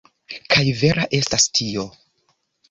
Kaj vera estas tio.